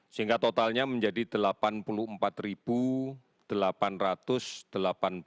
sehingga totalnya menjadi satu spesimen